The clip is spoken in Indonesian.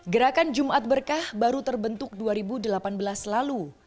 gerakan jumat berkah baru terbentuk dua ribu delapan belas lalu